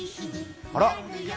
あら？